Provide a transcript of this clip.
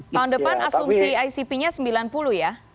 tahun depan asumsi icp nya sembilan puluh ya